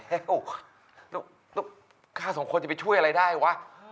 แล้วแล้วแล้วก็ข้าสองคนจะไปช่วยอะไรได้วะ